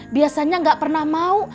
biasanya gak pernah mau